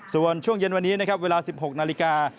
ส่วนช่วงเย็นวันนี้นะครับเวลา๑๖นาฬิกา